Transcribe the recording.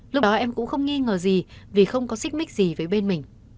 lúc đó em cũng không nghi ngờ gì vì không có xích mích gì với bên mình